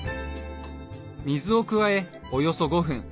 水を加えおよそ５分。